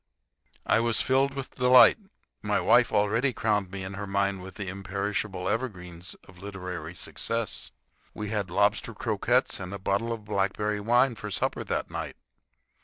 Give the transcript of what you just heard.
I was filled with delight. My wife already crowned me in her mind with the imperishable evergreens of literary success. We had lobster croquettes and a bottle of blackberry wine for supper that night.